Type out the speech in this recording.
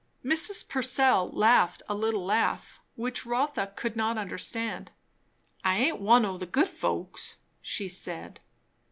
Mrs. Purcell laughed a little laugh, which Rotha could not understand. "I aint one o' the good folks" she said.